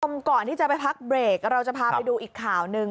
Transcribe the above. คุณผู้ชมก่อนที่จะไปพักเบรกเราจะพาไปดูอีกข่าวหนึ่ง